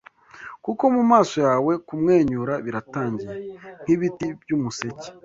kuko mumaso yawe Kumwenyura biratangiye, nkibiti byumuseke